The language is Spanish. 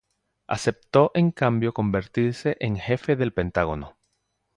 Aceptó en cambio convertirse en jefe del Pentágono.